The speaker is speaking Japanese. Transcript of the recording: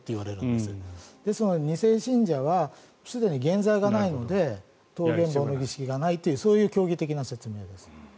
ですので２世信者はすでに原罪がないので蕩減棒の儀式がないというそういう教義的な説明です。